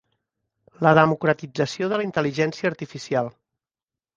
La democratització de la intel·ligència artificial.